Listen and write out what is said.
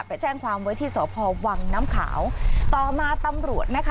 ไปแจ้งความไว้ที่สพวังน้ำขาวต่อมาตำรวจนะคะ